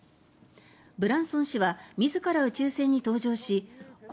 ブランソン氏は自ら宇宙船に搭乗し高